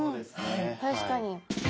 確かに。